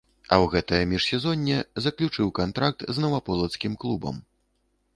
А ў гэтае міжсезонне заключыў кантракт з наваполацкім клубам.